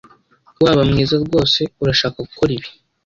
Waba mwiza rwose urashaka gukora ibi?